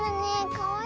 かわいい。